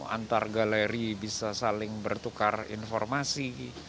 antar galeri bisa saling bertukar informasi